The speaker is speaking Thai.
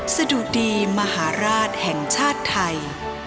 สะดุดีมหาราชแห่งชาติไทย